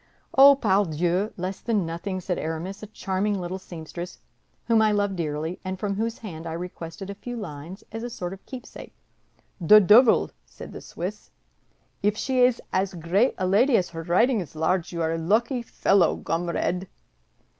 "Oh, pardieu, less than nothing," said Aramis; "a charming little seamstress, whom I love dearly and from whose hand I requested a few lines as a sort of keepsake." "The duvil!" said the Swiss, "if she is as great a lady as her writing is large, you are a lucky fellow, gomrade!"